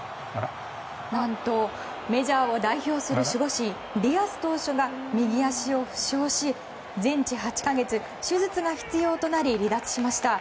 何とメジャーを代表とする守護神ディアス投手が右足を負傷し全治８か月手術が必要となり離脱しました。